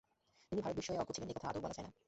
তিনি ভারত বিষয়ে অজ্ঞ ছিলেন এ কথা আদৌ বলা যায় না।